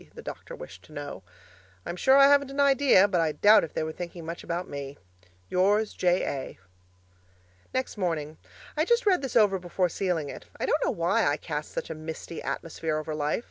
the doctor wished to know. I'm sure I haven't an idea, but I doubt if they were thinking much about me. Yours, J. A. Next morning I just read this over before sealing it. I don't know WHY I cast such a misty atmosphere over life.